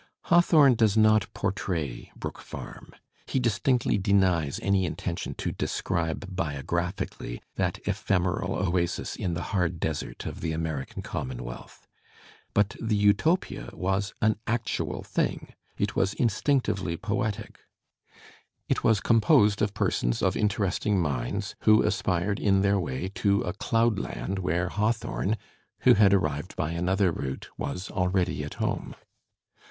Hawthorne does not portray Brook Farm; he distinctly denies any intention to describe biographically that ephemeral oasis in the hard desert of the American commonwealth. But the Utopia was an actual thing; it was instinctively poetic; it was composed of persons of interesting minds who aspired in their way to a doudland Digitized by Google 88 THE SPIRIT OP AMERICAN LITERATURE where Hawthorne, who had arrived by another route, was aheady at home.